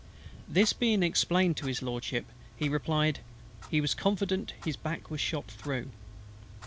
This being explained to His LORDSHIP, he replied, "he was confident his back was shot through."